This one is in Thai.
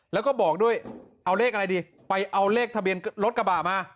แล้วก็บอกด้วยเอาเลขอะไรดีไปเอาเลขทะเบียนรถกระบะมา